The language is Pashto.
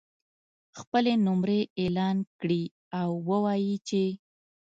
خپلې نمرې اعلان کړي او ووایي چې